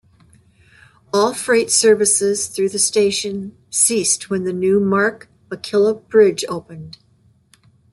All freight services through the station ceased when the new Mark Mackillop Bridge opened.